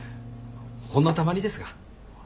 ほんのたまにですが。